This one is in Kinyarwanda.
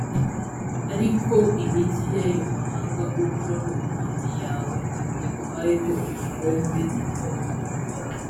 ariko imigi y’ayo mahanga uhoraho imana yawe aguhayeho ubukonde,